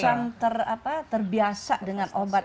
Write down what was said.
iya saya sudah semacam terbiasa dengan obat